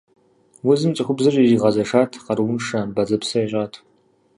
Узым цӏыхубзыр иригъэзэшат, къарууншэ, бадзэпсэ ищӏат.